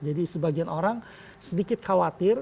jadi sebagian orang sedikit khawatir